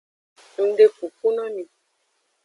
Ngdekuku mi.